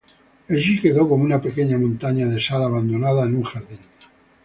Y allí quedó, como una "pequeña montaña de sal abandonada en un jardín".